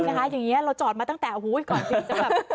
ใช่นะคะอย่างเงี้ยเราจอดมาตั้งแต่อุ้ยก่อนจริงจะแบบ